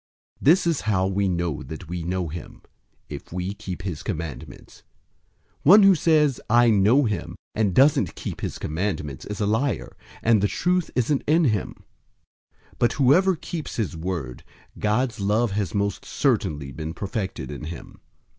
002:003 This is how we know that we know him: if we keep his commandments. 002:004 One who says, "I know him," and doesn't keep his commandments, is a liar, and the truth isn't in him. 002:005 But whoever keeps his word, God's love has most certainly been perfected in him.